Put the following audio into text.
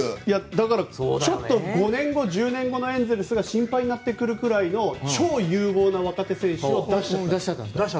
だから、ちょっと５年後、１０年後のエンゼルスが心配になってくるぐらいの超有望な若手選手を出しちゃった。